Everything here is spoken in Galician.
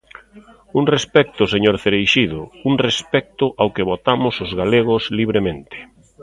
¡Un respecto, señor Cereixido, un respecto ao que votamos os galegos libremente!